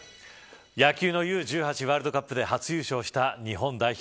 野球のＵー１８ワールドカップで初優勝した日本代表。